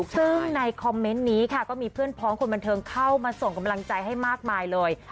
ซึ่งในคอมเมนต์นี้ค่ะก็มีเพื่อนพ้องคนบันเทิงเข้ามาส่งกำลังใจให้มากมายเลย